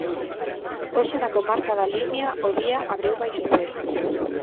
Hoxe na comarca da Limia o día abriu baixo cero.